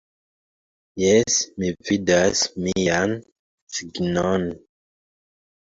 Jes, mi vidas mian signon